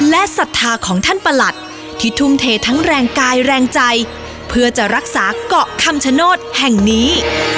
และศรัทธาของท่านประหลัดที่ทุ่มเททั้งแรงกายแรงใจเพื่อจะรักษาเกาะคำชโนธแห่งนี้